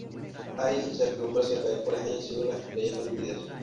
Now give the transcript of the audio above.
Hay incertidumbre acerca de cuáles hayan sido las estrellas aludidas.